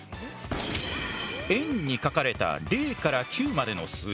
円に書かれた０９までの数字。